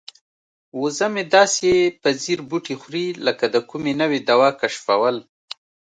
وزه مې داسې په ځیر بوټي خوري لکه د کومې نوې دوا کشفول.